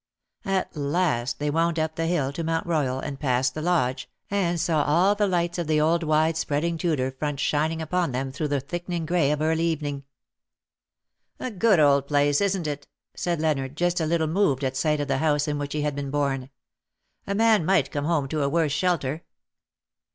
At last they wound up the hill to Mount Royal,, and passed the lodge, and saAv all the lights of the old wide spreading Tudor front shining upon them through the thickening grey of early evening. ''^A good old place, isn't it?" said Leonard, just a little moved at sight of the house in which he had been born. " A man might come home to a worse shelter."